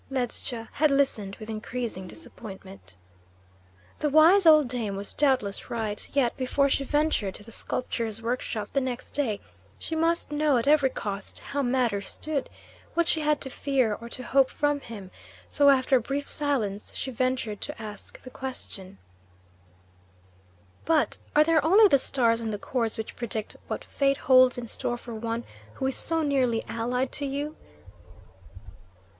Ledscha had listened with increasing disappointment. The wise old dame was doubtless right, yet before she ventured to the sculptor's workshop the next day she must know at every cost how matters stood, what she had to fear or to hope from him; so after a brief silence she ventured to ask the question, "But are there only the stars and the cords which predict what fate holds in store for one who is so nearly allied to you?"